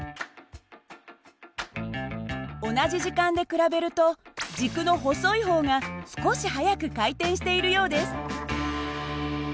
同じ時間で比べると軸の細い方が少し速く回転しているようです。